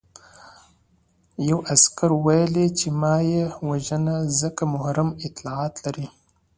یوه عسکر وویل چې مه یې وژنه ځکه محرم اطلاعات لري